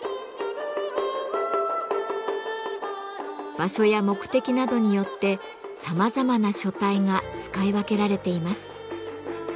場所や目的などによってさまざまな書体が使い分けられています。